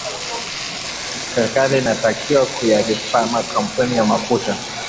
serikali inatakiwa kuyalipa makampuni ya mafuta